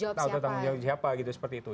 tahu tanggung jawab siapa gitu seperti itu